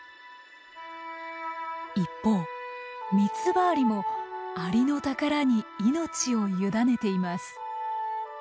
一方ミツバアリもアリノタカラに命を委ねています。